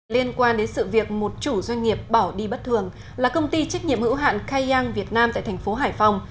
liên quan đến sự việc một chủ doanh nghiệp bỏ đi bất thường là công ty trách nhiệm hữu hạn kayang việt nam tại thành phố hải phòng